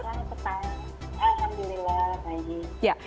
selamat petang alhamdulillah baik